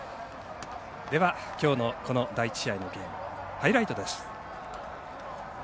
きょうのこの第１試合のゲームハイライトです。